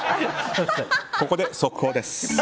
ここで速報です。